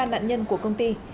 bốn mươi ba nạn nhân của công ty